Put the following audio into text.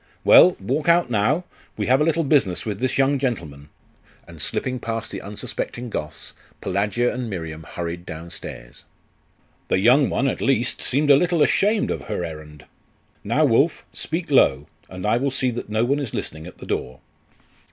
Well, walk out now; we have a little business with this young gentleman.' And slipping past the unsuspecting Goths, Pelagia and Miriam hurried downstairs. 'The young one, at least, seems a little ashamed of her errand.... Now, Wulf, speak low; and I will see that no one is listening at the door.